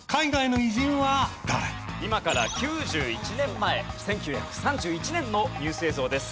今から９１年前１９３１年のニュース映像です。